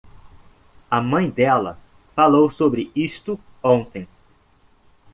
A mãe dela falou sobre isto ontem.